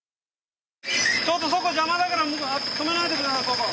ちょっとそこ邪魔だから止めないで下さいそこ。